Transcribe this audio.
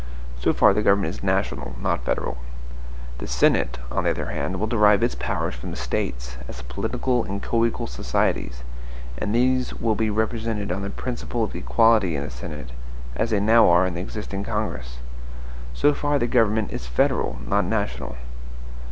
So far the government is NATIONAL, not FEDERAL. The Senate, on the other hand, will derive its powers from the States, as political and coequal societies; and these will be represented on the principle of equality in the Senate, as they now are in the existing Congress. So far the government is FEDERAL, not NATIONAL.